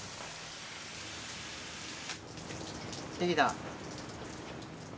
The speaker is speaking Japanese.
できた。